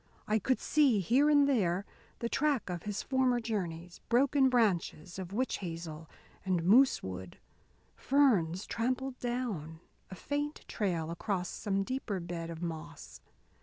I could see, here and there, the track of his former journeys: broken branches of witch hazel and moose wood, ferns trampled down, a faint trail across some deeper bed of moss.